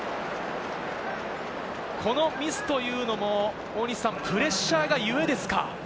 このミスというのも大西さん、プレッシャーが故ですか？